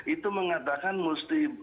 itu mengatakan mesti